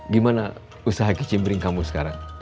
gimana usaha kicim pring kamu sekarang